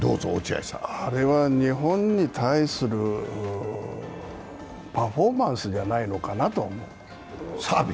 あれは、日本に対するパフォーマンスじゃないのかなと。